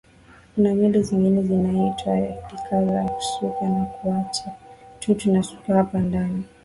kuna nywele zingine zinaitwa lizaka za kusuka na kuaachia tu tunasuka hapa ndani